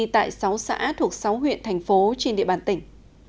tại sáu xã thuộc sáu huyện thành phố trên địa bàn tỉnh